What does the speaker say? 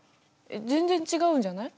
全然違うんじゃない？